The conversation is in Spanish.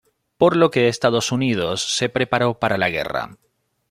Por lo que Estados Unidos se preparó para la guerra.